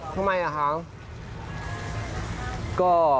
ทำไมล่ะครับ